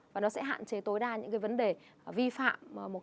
và nó sẽ hạn chế tối đa những vấn đề vi phạm